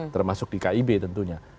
termasuk di kib tentunya